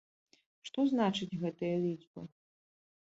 Што значыць гэтая лічба?